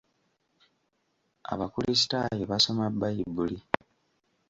Abakrisitaayo basoma bbayibuli.